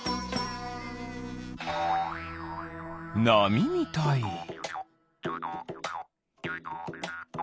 なみみたい？